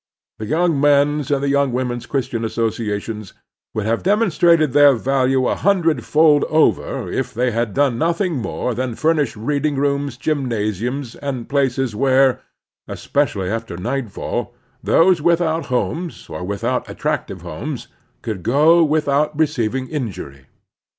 The Young Men's and Young Women's Christian Associations would have demonstrated their value a hundredfold over if they had done nothing more than furnish read ing rooms, gymnasiums, and places where, espe cially after nightfall, those without homes, or without attractive homes, could go without receiving injury.